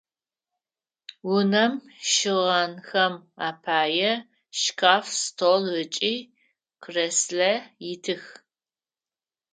Унэм щыгъынхэм апае шкаф, стол ыкӏи креслэ итых.